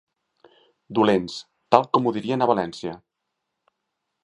Dolents, tal com ho dirien a València.